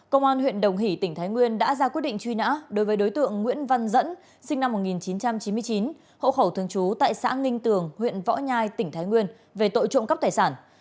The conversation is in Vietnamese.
công an huyện đồng hỷ tỉnh thái nguyên đã ra quyết định truy nã đối với đối tượng nguyễn văn dẫn sinh năm một nghìn chín trăm chín mươi chín hộ khẩu thường trú tại xã ninh tường huyện võ nhai tỉnh thái nguyên về tội trộm cắp tài sản